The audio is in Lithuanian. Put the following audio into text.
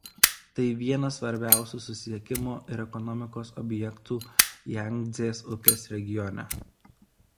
Tai vienas svarbiausių susisiekimo ir ekonomikos objektų Jangdzės upės regione.